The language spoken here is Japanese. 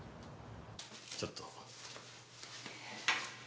ちょっと。